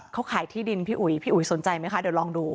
เขาขายที่ดินพี่อุ๋ยพี่อุ๋ยสนใจไหมคะเดี๋ยวลองดู